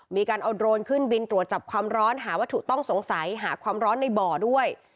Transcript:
มีการเอาโดรนขึ้นบินตรวจจับความร้อนหาวัตถุต้องสงสัยหาความร้อนในบ่อด้วย